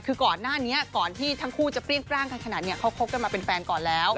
คือก่อนหน้านี้ก่อนที่ทั้งคู่จะเปรี้ยงปร่างกันขนาดนี้เขาคบกันมาเป็นแฟนก่อนแล้ว